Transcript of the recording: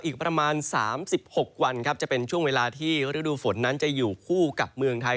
อีกประมาณ๓๖วันครับจะเป็นช่วงเวลาที่ฤดูฝนนั้นจะอยู่คู่กับเมืองไทย